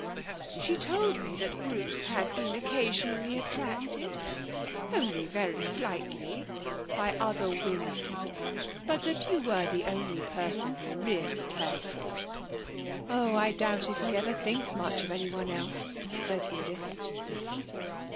'She told me that Bruce had been occasionally attracted only very slightly by other women, but that you were the only person he really cared for.' 'Oh, I doubt if he ever thinks much of anyone else,' said Edith.